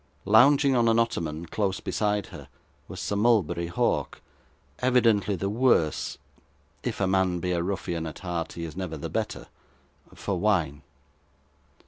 Lounging on an ottoman close beside her, was Sir Mulberry Hawk, evidently the worse if a man be a ruffian at heart, he is never the better for wine.